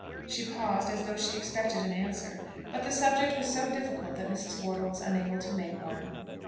She paused as though she expected an answer. But the subject was so difficult that Mrs. Wortle was unable to make one.